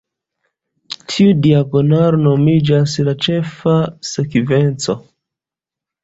Tiu diagonalo nomiĝas "la ĉefa sekvenco".